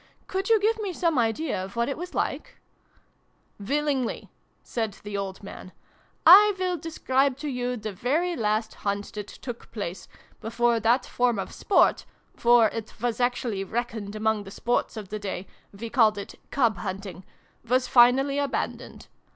" Could you give me some idea of what it was like ?"" Willingly !" said the old man. " I will describe to you the very last Hunt that took place, before that form of Sport (for it was actually reckoned among the Sports of the day: we called it 'Cub Hunting') was finally abandoned.